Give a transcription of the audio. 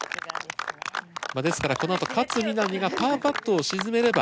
ですからこのあと勝みなみがパーパットを沈めれば。